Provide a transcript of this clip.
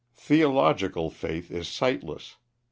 Theological faith is sightless.